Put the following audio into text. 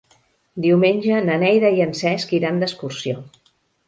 Diumenge na Neida i en Cesc iran d'excursió.